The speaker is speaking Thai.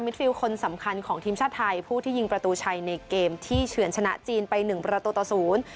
ฟิลคนสำคัญของทีมชาติไทยผู้ที่ยิงประตูชัยในเกมที่เฉือนชนะจีนไปหนึ่งประตูต่อศูนย์